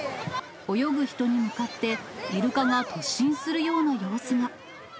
泳ぐ人に向かって、イルカが突進するような様子が。